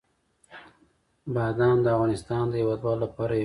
بادام د افغانستان د هیوادوالو لپاره یو ویاړ دی.